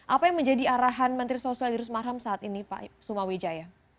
apa yang menjadi arahan menteri sosial irus marham saat ini pak suma wijaya